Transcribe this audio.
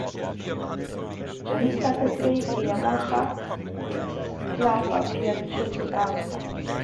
John started playing a Yamaha Disklavier piano shortly after.